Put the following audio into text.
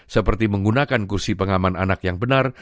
seperti menggunakan kursi pengaman anak yang benar